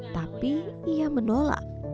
tapi dia menolak